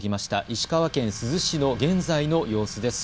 石川県珠洲市の現在の様子です。